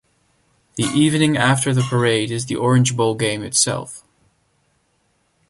The evening after the Parade is the Orange Bowl game itself.